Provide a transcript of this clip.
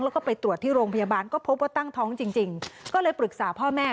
แล้วก็ไปตรวจที่โรงพยาบาลก็พบว่าตั้งท้องจริงจริงก็เลยปรึกษาพ่อแม่